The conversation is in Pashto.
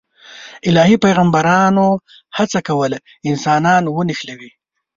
الهي پیغمبرانو هڅه کوله انسانان ونښلوي.